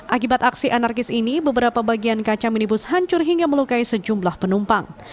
akibat aksi anarkis ini beberapa bagian kaca minibus hancur hingga melukai sejumlah penumpang